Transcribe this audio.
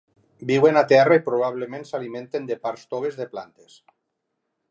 Viuen a terra i probablement s'alimenten de parts toves de plantes.